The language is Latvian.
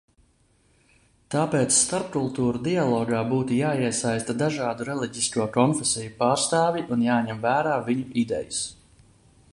Tāpēc starpkultūru dialogā būtu jāiesaista dažādu reliģisko konfesiju pārstāvji un jāņem vērā viņu idejas.